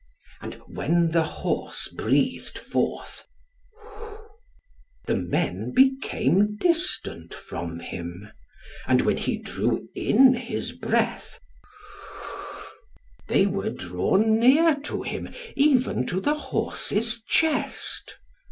And when the horse breathed forth, the men became distant from him, and when he drew in his breath, they were drawn near to him, even to the horse's chest.